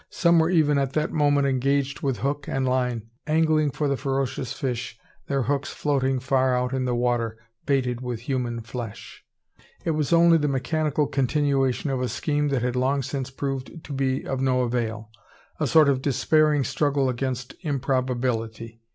Some were even at that moment engaged with hook and line, angling for the ferocious fish, their hooks floating far out in the water, baited with human flesh. It was only the mechanical continuation of a scheme that had long since proved to be of no avail, a sort of despairing struggle against improbability.